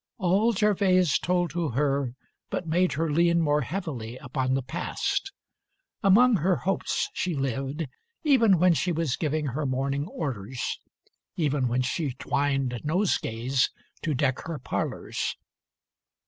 All Gervase told to her but made her lean More heavily upon the past. Among Her hopes she lived, even when she was giving Her morning orders, even when she twined Nosegays to deck her parlours.